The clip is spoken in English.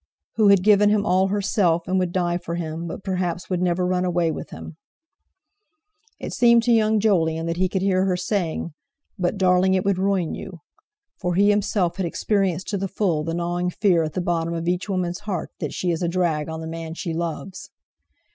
Who had given him all herself, and would die for him, but perhaps would never run away with him! It seemed to young Jolyon that he could hear her saying: "But, darling, it would ruin you!" For he himself had experienced to the full the gnawing fear at the bottom of each woman's heart that she is a drag on the man she loves.